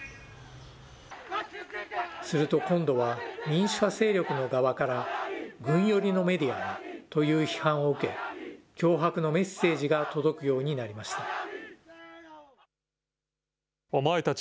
すると今度は、民主派勢力の側から軍寄りのメディアだという批判を受け、脅迫のメッセージが届くようになりました。